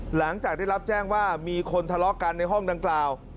หลังจากได้รับแจ้งว่ามีคนทะเลาะกันในห้องดังกล่าว